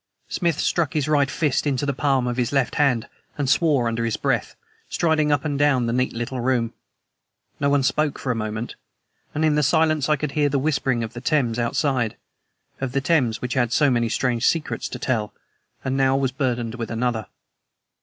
Smith struck his right fist into the palm of his left hand and swore under his breath, striding up and down the neat little room. No one spoke for a moment, and in the silence I could hear the whispering of the Thames outside of the Thames which had so many strange secrets to tell, and now was burdened with another.